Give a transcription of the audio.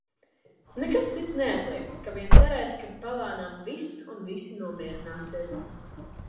Nekas cits neatliek, kā vien cerēt, ka palēnām viss un visi nomierināsies.